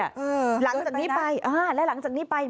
หลังจากนี้ไปอ่าและหลังจากนี้ไป